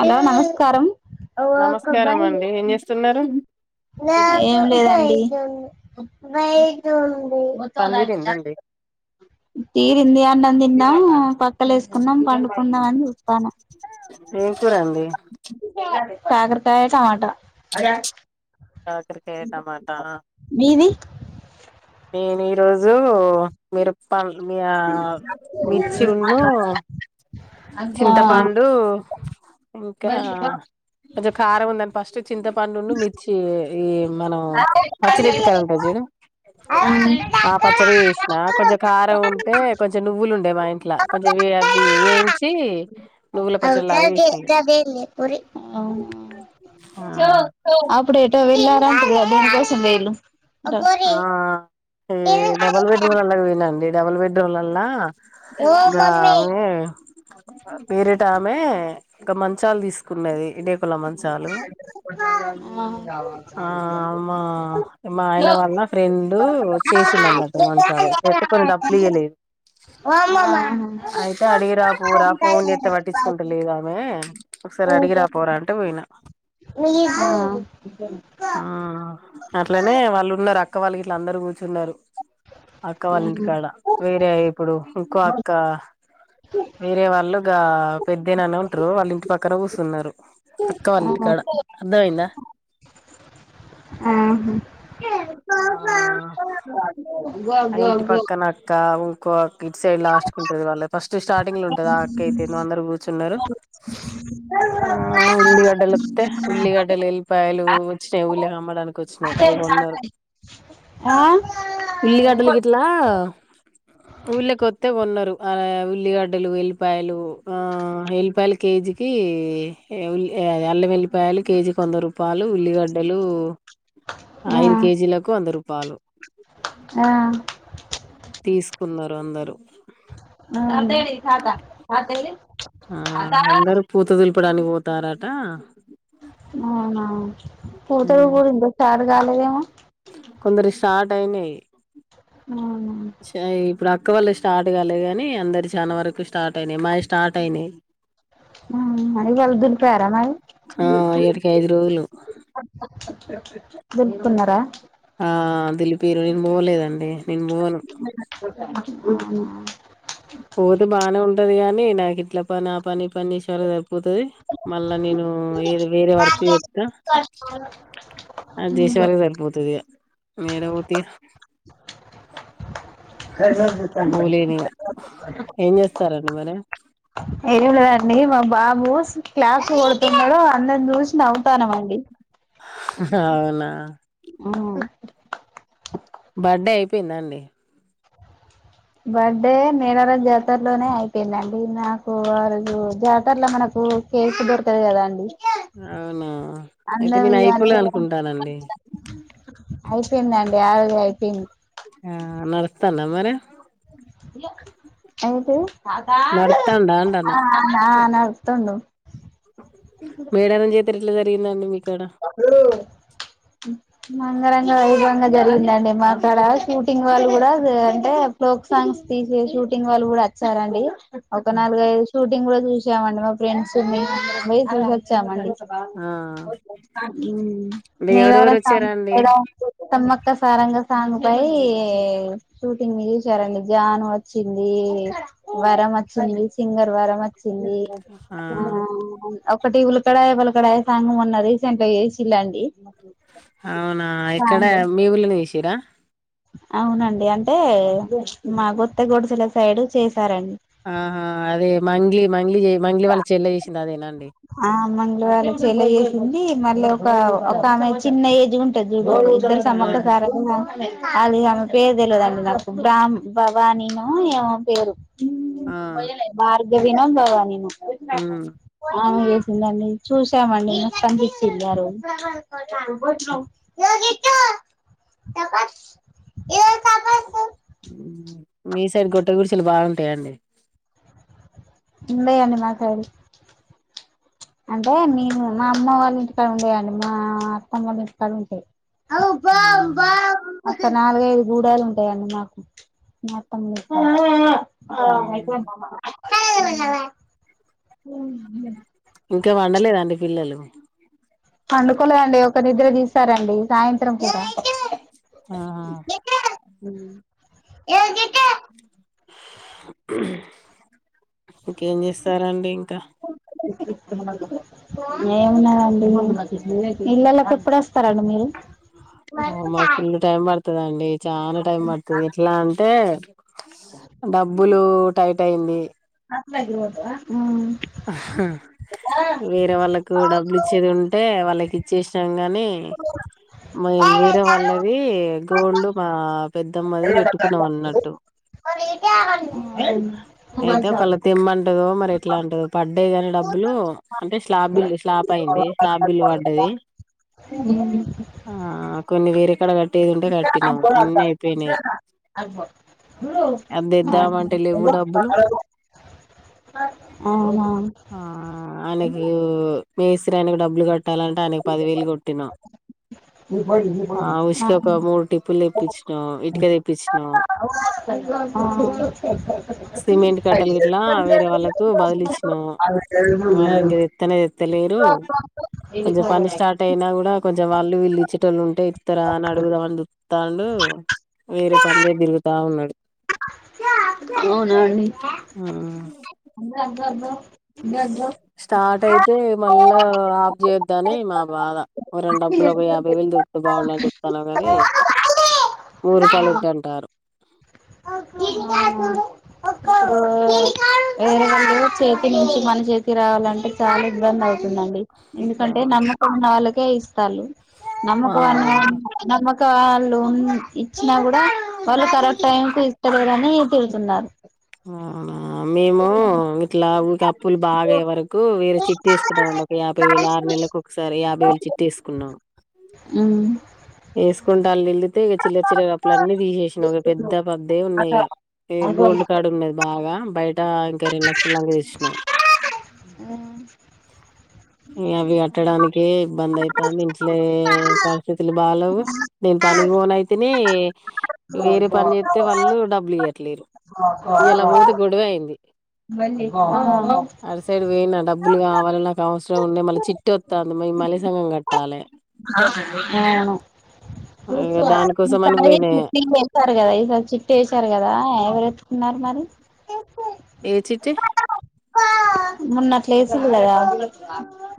Hello నమస్కారం నమస్కారం అండి ఏం చేస్తున్నారు ఏం లేదు అండి పని తీరిందండి తీరింది అన్నం థిన్ ఆ పక్కలేసుకున్నాం పండు కుందాం అని చుస్తాన్నా ఏం కూర అండి కాకరకాయ టమాట కాకరకాయ టమాటా మీది నేనే రోజు మీరు పల్లు ఆ మీ మిర్చి ఉన్ను చింతపండు ఇంకా కొంచం కారం ఉందని ఫస్ట్ చింతపండును మి ఈ మనం పచ్చిమిరపకాయ ఉంటాది చూడు ఆ ఆ పచ్చడి చేసినా కొంచెం కారం ఉంటే కొంచెం నువ్వులు ఉండే మా ఇంట్లో కొంచెం వి ఈ అవి ఏంచి నువ్వుల పచ్చడిలాగ చేసినా ఇగ అవునా అప్పుడు ఏటో వెళ్లారంటగా దీనికోసం వేలు ఆ ఈ డబల్ బెడ్రూం [inaudible] వినండి డబుల్ బెడ్రూం లల్లా ఓ మమ్మీ గామె వేరేటామె ఒక మంచాలు తీసుకున్నది ఈడె పుల మంచాలు ఆ మా మా ఆయన వాళ్ళ ఫ్రెండు చేసిండు అన్నట్టు మంచాలు [inaudible] కొని డబ్బులు ఇయ్యలే అయితే అడిగిరాపో రా ఫోన్ చేత్తే పట్టిచ్చుకుంటలేదు ఆమె సారి అడిగి రాపోరా అంటే పోయినా ఆ ఆ అట్లనే వాళ్ళున్నారు అక్క వాళ్ళు ఇట్ల అందరూ కూర్చున్నారు అక్క వాళ్ళ ఇంటికాడ వేరే ఇప్పుడు ఇంకో అక్క వేరే వాళ్ళు గా పెద్దేనాన్న ఉంటరు వాళ్ళు ఇంటి ప క్కర కూసున్నారు అక్క వాళ్ళింటికాడ అర్థమయ్యిందా ఆ ఆహా ఆ ఇంటి పక్కన అక్క ఇంకోక్ ఇట్ సైడ్ లాస్ట్ ఉంటది వాళ్ళ ఫస్ట్ స్టార్టింగ్ లో ఉంటది ఆ అక్క అయితే అందరు కూర్చున్నారు ఆ ఉల్లిగడ్డలు వత్తే ఉల్లిగడ్డలు వెల్లిపాయలు వచ్చినాయి ఊర్లోకి అమ్మడానికి వచ్చినాయి అయి కొన్నారు ఆ ఉల్లిగడ్డలు గిట్లా ఊళ్ళోకొస్తే కొన్నారు ఉల్లిగడ్డలు ఎల్లిపాయలు ఆ ఎల్లిపాయలు కేజీకి కి అల్లం ఎల్లి పాయలు కేజీ కి వంద రూపాయలు ఉల్లిగడ్డలు ఆ ఐదు కేజీలకు వంద రూపాయలు ఆ తీసుకున్నారు అందరూ ఆ ఇప్పుడు అని పోతారట పోతాడు కూడా ఇంక స్టార్ట్ కాలేదేమో కొందరి స్టార్ట్ అయినాయి అవును ఇప్పుడు అక్క వాళ్ళకి స్టార్ట్ కాలేదు కానీ అందరు చానా వరకు స్టార్ట్ అయినాయి మావి స్టార్ట్ అయినాయి హ్మ్ అని వాళ్లు దులిపార మరి ఆ ఏటికి ఐదు రోజులు గుర్తున్నారా ఆ దిలిపీరు నేను పోలేదండి నేను పోను ఆ పోతే బాగానే ఉంటది గాని నాకు ఇట్లా పని ఆ పని [unintelligible] పోతది మళ్ళా నేను ఏది వేరే వర్క్ చెప్తా అది చేసేవాళ్ళకే సరిపోతది ఇగ నేనేం పోత ఇగ స సరేలే మరి ఏమి లేదండి మా బాబు క్లాప్స్ కొడుతున్నాడు అందరం చూసి నవ్వుతన్నాం అండి హా అవునా ఉమ్ బర్డే అయిపోయిందా అండి బర్డే మేడారం జాతర లోనే అయిపోయిందండి నాకు ఆ రోజు జాతరలో మనకు కేకు దొరకదు కదా అండి అవునా అయితే నేను ఇగ అయిపోలే అనుకుంటానండి అయిపోయిందండి ఆ రోజే అయిపోయింది ఆ నడుస్తాండా మరి ఇగ అయితే నడుత్తాందా అంటాన్న ఆ నడుతుండు మేడారం జాతర ఎట్లా జరిగిందండి మీకు మా అంగరంగ వైభవంగా జరిగిందండి మా కాడ షూటింగ్ వాళ్ళు కూడా అ అంటే ఫోక్ సాంగ్స్ తీసే షూటింగ్ వాళ్ళు కూడా వచ్చారండి ఒక నాలుగు ఐదు షూటింగ్ కూడా చూసామండి మా ఫ్రెండ్ మేము అందరం పోయి చూసోచ్చామండి ఆ ఉమ్ అంటే ఎవరెవరు మేడారం వచ్చారండి [unintelligible] సమ్మక్క సారక్క సారంగా సాంగ్ పై షూటింగ్ తీసారండి జాను వచ్చింది వరమత్ సింగర్ వరమత్ వచ్చింది ఆ ఒకటి ఉలకడయ్య పలకడయ్య సాంగ్ ఉన్నది [unintelligible] చేసిల్లా అండి అవునా ఎక్కడ మీ ఊర్లోనే వేసిర్ర అవునండి అంటే మా గుత్త గొడసెల సైడు చేసి ఆహా అదే మంగ్లి మంగ్లి మంగ్లి వాళ్ళ చెల్ల చేసింది అదేనా అండి ఆ మంగ్లి వాళ్ళ చెల్లి చేసింది మళ్ళీ ఒక ఒక ఆమె చిన్న ఏజ్ ఉంటది చూడు ఇద్దరు ఆ సమ్మక్క సారక్క [unintelligible] అది ఆమె పేరు తెలవదుండి నాకు బ్ర భవానీ నో ఏమో పేరు ఆ ఉమ్ భార్గవి నో భవానీ నో ఉమ్ అవు చేసిందండి చూసామండి కనిపించి వెళ్ళారు ఎక్కడికి పోతున్నావు ఉమ్ మీ సైడ్ గొట్ట గుడిసెలు బాగుంటాయండి ఉండాయండి మా సైడు అంటే నేను మా అమ్మ వాళ్ళ ఇంటికాడ ఉండయండి మా అత్తమ్మ వాళ్ళ ఇంటికాడ ఉంటాయి ఉమ్ ఒక నాలుగైదు గూడాలు ఉంటాయండి మాకు మొత్తం హ్మ్. ఇంకా వండలేదా అండి పిల్లలు పండుకోలేదండి ఒక నిద్ర తీసారండి సాయంత్రం పూట ఆహా ఏ చె ఇంకేం చేస్తారండి ఇంకా ఏమున్నదండి పిల్లలకు ఇప్పుడు వస్ స్తారండి మీరు అండి చాలా టైం పడుతుంది ఎట్లా అంటే, డబ్బులు టైమ్ టైం బి అత్త దగ్గరకి పోతావా వేరే వాళ్ళకు డబ్బులు ఇచ్చేది, ఉంటే వాళ్ళకి ఇచ్చేసినాంగ్ కాని మరి వేరే వాల్లది గోల్డ్ మా పెద్దమ్మది అవునా పెట్టుకున్నాం అన్నట్టు. అయితే ఒకెళ తెమ్మంటదొ మరి ఎట్లా అంటదొ పడ్డాయి కానీ డబ్బులు అంటే స్లాబ్ బిల్డ్ చేస్ స్లాప్ అయింది స్లాప్ బిల్లు పడ్డది. ఆ కొన్ని వేరు కడ కట్, కట్టే ఉంటే కట్టినమ్ అన్ని అయిపోనాయి అంతేద్దామ అంటే లేవు డబ్బులు. ఆహా ఇవ్వ మేస్తిరి ఆయనకి డబ్బులు కట్ ట్టాలంటే ఆయనకి పదివేలు కొట్టిన ఆ ఉసికి ఒక మూడు టిప్పులు తెప్ ప్పించినా ఇటుక తెప్పిచ్చిన సిమెంట్ ఆ నో వాళ్ళు ఇంక తెత్తనే తెత్తలేరు కొంచెం పని స్టార్ట్ అయినా కూడా కొంచెం వాళ్ళు వీళ్ళు ఇచ్చేటోళ్లు ఉంటే ఇతార అని అడుగుదాం అని చూతాండు వేరే పనిమీద తిరుగుతా ఉన్నాడు అవునండి ఆ గడు స్టార్ట్ అయితే మళ్ళా ఆఫ్ చెయ్యొద్దు అని మా బాధ ఒక రెండు డబ్బులు ఒక యాభై వేలు దొరికితే బాగున్నది చుటాలే కాని నూర్ రూపాయలు వడ్డీ అంటారు ఆ ఎవరివాళ్ళు చేతి నుంచి మన చేతి రావాలంటే చాలా ఇబ్బంది అయ్యిద్ దండి ఆ ఎందుకంటే నమ్మకం ఉన్న వాళ్ళకే ఇస్తాళ్ళు నమ్మకం ఆ అన్నది నమ్మక్ లోన్ ఇచ్చినా కూడా వాళ్ళు కరెక్ట్ టైం కు ఇత్తలేరని తిడుతున్నారు. అవునా మేము ఇట్లా అప్పులు బాగాయే వరకు వేరే చిట్ తీసుకున్నాంమండి ఒక యాభై వేల ఆరు నెలలకు, ఒకసారి యాభై వేలు చిట్టి వేసుకున్నాం హుమ్మ్ తీసుకుంట వాళ్ నిళితే ఇక చిల్ల చిల్ర అప్పుల అన్నీ తీసేసినా, ఒక పెద్ద పద్దే ఉన్నాయి ఇక గోల్డ్. కార్డ్ బాగా బయట ఇంకా రెండు లక్షల దాకా తెచ్చినం ఇగ అవి కట్టడానికే ఇబ్బంది అయింతంది అసలే పరిస్థితులు బాలేవు నేను ఉమ్ పనికి పోను అయితినాయ్ వేరే పని అవును చేప్తె వాళ్ళు డబ్బులు ఇయట్లేరు ఇయాలా వోతే గొడవే అయింది అడ్ సైడ్ వోయిన డబ్ డబ్బులు కావాలి నాకు అవసరం ఉండే మళ్ళీ చిట్టి వస్తంది. మల్లిసంగం కట్టాలి ఆ అవును ఇగ దానికోసం అని ఈసారి పోయినాయి చిట్ట్ వేసారు కదా ఈసారి చిట్టి వేసారు కదా ఎవరే తిన్నారా మరి ఏ చిట్టి మొన్నా అట్లేసిరు కథ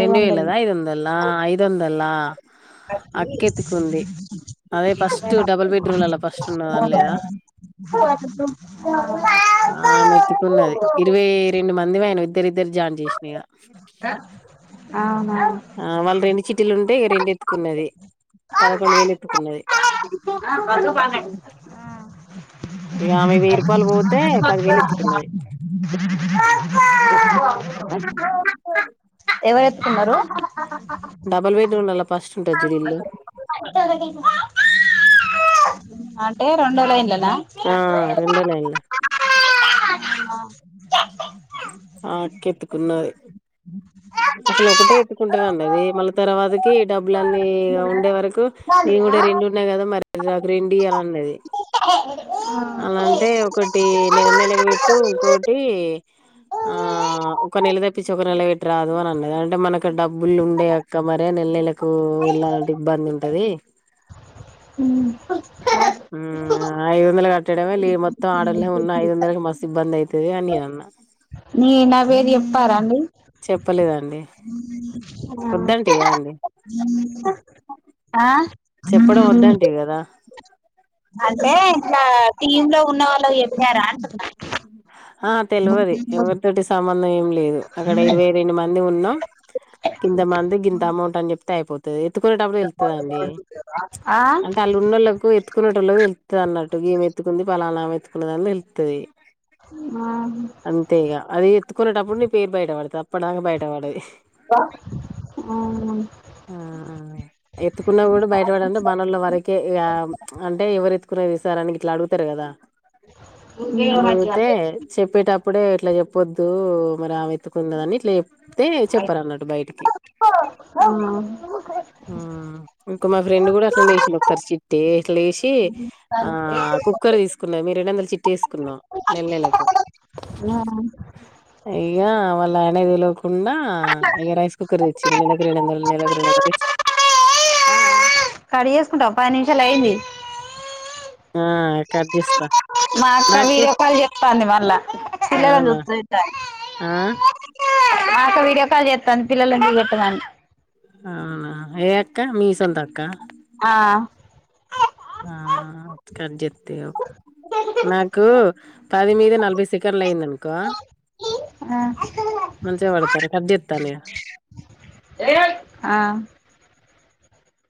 రెండువేలద, ఐదొందలా, ఐదొందలా. అక్కెత్తుకుంది అదే ఫస్ట్ డబుల్ బెడ్రూమ్లలా ఫస్ట్ ఉన్నది అనలేదా. ఆ మెతుకున్నది ఇరవై రెండు మంది అయినవి ఇద్దరి ఇద్దరి జాయిన్ చేసినీగా ఆ వాళ్ళు రెండు చిట్టీలు ఉన్ టే రెండ ఎతుకున్నది హుమ్మ్ ఇఅ [unintelligible] ఎవరేత్కున్నరూ డబల్ బెడ్రూమ్ లల్లా ఫస్ట్ ఉంటది జుడ్ ఇల్లు అటెటే రెండో లైన్ల ఆ రెండొ లైన్ల ఆ అకెత్తుకున్నది అసలు ఒకటే ఎత్తుకుంటదన్నది మళ్ళ తర్వాతకి డబ్బులన్నీ ఉండే వరకు నేన్ గుడ్ రెండు ఉన్నాయ్ గదా మరి నాక్ రెండు ఇయానన్నది అలాంటే ఒకటి నెల నెల్ వెట్టు ఇంకోటీ ఆ ఒక నెల తప్పించి ఒక నెల పెట రాదూ అన్ అన్నది అంటే మనకి డబ్బులు ఉండయక్క మరి నెల నెలకూ ఎళ్ళాలంటే ఇబ్బంది ఉంటదీ ఆ ఐదు వందల్ కట్టడమే లే మొత్తం ఆడలే ఉన్నా ఐదు వందలకి మస్త్ ఇబ్బంది ఐతది అని నేన్ అన్న నీ నా పేర్ చేప్పార అండి చెప్పలేదండి వద్దంటివి గా అండి ఆ చెప్పడం వద్దంటివి కదా అంటే ఇట్లా టీమ్ లొ ఉన్న వాళ్ళు చెప్పినరా అంటున్న అ ఆ తెలవది ఎవరితోటి సంబంధం ఏం లేదు అక్కడ ఇరవై రెండు మంది ఉన్నాం గింతమంది గింత అమౌంట్ అని చెప్తె అయిపోతది ఎత్తుకునేటప్పుడు తెల్తదండీ ఆ అంటే ఆళ్ళున్నోళ్ళకు ఎత్తుకునేటోలక్ తెల్తది అన్నట్టు గీమెత్తుకుంది పలానా ఎత్తుకున్నదని తెల్తదీ అంతే ఇగా అది ఎత్తుకునేటప్పుడు నీ పేర్ బయట పడతద్ అప్పుడ్ దాకా బయటపడ్డది ఆ ఆ ఎత్తుకున్న గూడా బయటపడంటే మనోళ్ళ వరకే ఇగా అంటే ఎవరు ఎత్తుకునేది అని గిట్ల అడుగుతార్ గదా అల్ల చూస్తే చెప్పేటప్ ప్పుడే ఇట్లా చెప్పొద్దూ మరి ఆమె ఏత్తుకున్నదని ఇట్లా ఎప్ తే చెప్పర్ అన్నట్టు బయటికి హ్మ్ ఇంకొ మా ఫ్రెండ్ గుడా అట్లనె ఏషింది ఒక్సారి చిట్టీ అట్లా ఏశీ ఆ కుప్ కుక్కర్ తీసుకున్నది మీ రెండువందల్ చిట్టీ ఎస్కు కున్న నెల్‌నెలకు ఇగ వాళ్ల ఆయనకి తెలువ కుండా ఇగ రైస్ కుక్కర్ తెచ్చింది నెలకు రెండువందల నెల ఇంకొకటి [inaudible] కట్ ఏసుకుంటవ పది నిమిషాల్ అయింది ఆ కట్ ఎస్త మా అక్క వీడియో కాల్ చేత్తాంది మళ్ళా పిల్లలని అవునా చూత్తాదట ఆ మా అక్క వీడియో కాల్ చేత్తాంది పిల్లలన్ చూపెట్టమని అవునా ఏ అక్క మీ సొంతక్కా ఆ ఆ ఆ కట్జేత్తిగ నాకూ పది మీద నలభై సెకన్లు అయిందనుకో మంచిగా వడతరు కట్ జెత్తాన ఇగ ఆ